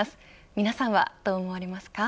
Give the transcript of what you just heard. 皆さんはどう思われますか。